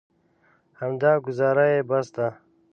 همدا ګوزاره یې بس ده.